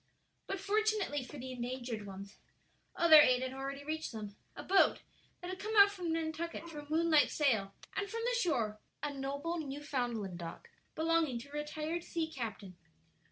But fortunately for the endangered ones, other aid had already reached them a boat that had come out from Nantucket for a moonlight sail, and from the shore a noble Newfoundland dog belonging to a retired sea captain.